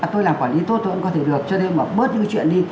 tôi làm quản lý tốt tôi cũng có thể được cho nên mà bớt những cái chuyện đi